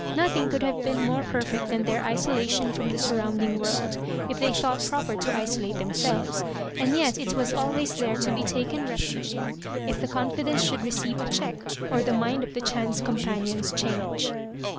Nothing could have been more perfect than their isolation from the surrounding world, if thej thought proper to isolate themselTes; and yet it was always there to be taken refuge In if the confidence should receive a check, or the mind of the chance companions change.